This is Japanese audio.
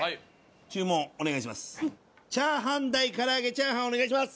注文お願いします。